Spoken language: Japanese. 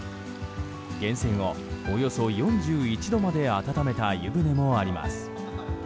源泉をおよそ４１度まで温めた湯船もあります。